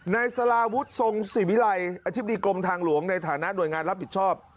นายสลาวุฒิทรงสิวิลัยอธิบดีกรมทางหลวงในฐานะหน่วยงานรับผิดชอบ